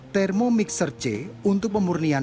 thermomixer c untuk pemurnian